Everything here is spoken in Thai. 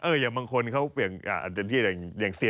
เอออย่างบางคนเขาอย่างเซียนหุ้นอย่างนี้